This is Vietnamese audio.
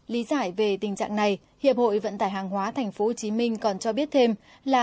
lý giải về tình trạng này hiệp hội vận tải hàng hóa tp hcm còn cho biết thêm là